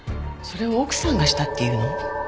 それを奥さんがしたっていうの？